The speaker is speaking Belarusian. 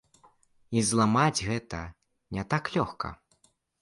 І зламаць гэта не так лёгка.